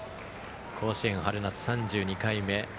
甲子園、春、夏３２回目。